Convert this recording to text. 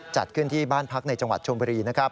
จัดขึ้นที่บ้านพักในจังหวัดชมบุรีนะครับ